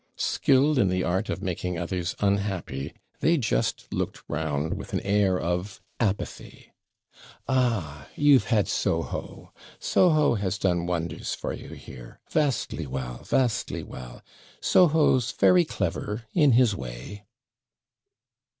Skilled in the art of making others unhappy, they just looked round with an air of apathy. 'Ah! you've had Soho! Soho has done wonders for you here! Vastly well! Vastly well! Soho's very clever in his way!'